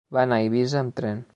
Va anar a Eivissa amb tren.